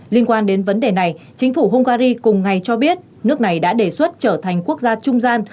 liên quan đến vấn đề này chính phủ hungary cùng ngày cho biết nước này đã đề xuất trở thành quốc gia trung gian